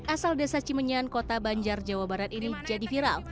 asal desa cimenyan kota banjar jawa barat ini jadi viral